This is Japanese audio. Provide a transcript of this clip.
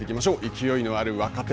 勢いのある若手。